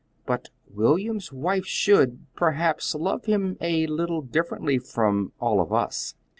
But William's wife should, perhaps, love him a little differently from all of us."